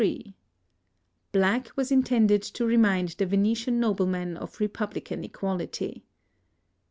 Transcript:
Black was intended to remind the Venetian noblemen of republican equality.